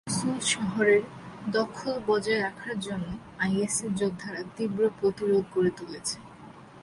মসুল শহরের দখল বজায় রাখার জন্য আইএসের যোদ্ধারা তীব্র প্রতিরোধ গড়ে তুলেছে।